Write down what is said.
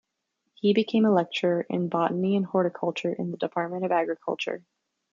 He became a lecturer in Botany and Horticulture in the Department of Agriculture.